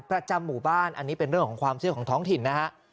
ประจำหมู่บ้านอันนี้เป็นเรื่องของความเชื่อของท้องถิ่นนะฮะ